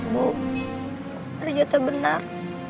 bu ternyata benar